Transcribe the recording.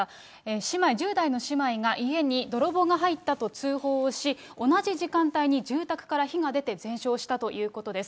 姉妹、１０代の姉妹が、家に泥棒が入ったと通報をし、同じ時間帯に住宅から火が出て、全焼したということです。